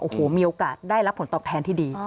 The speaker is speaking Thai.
โอ้โหมีโอกาสได้รับผลตอบแทนที่ดี